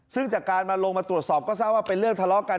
ซึ่งจากการมาลงมาตรวจสอบก็ทราบว่าเป็นเรื่องทะเลาะกัน